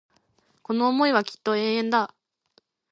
この思いはきっと永遠だ